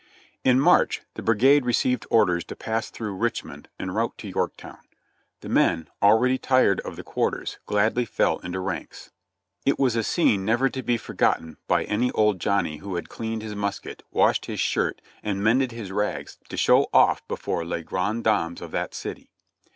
In March the brigade received orders to pass through Rich mond en route to Yorktown. The men, already tired of the quar ters, gladly fell into ranks. It was a scene never to be forgotten by any old Johnny who had cleaned his musket, washed his shirt and mended his rags to show off before les grandes dames of that city.